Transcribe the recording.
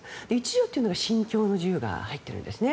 １条というのは信教の自由が入っているんですね。